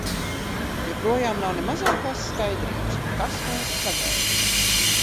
Joprojām nav ne mazākās skaidrības, kas mūs sagaida.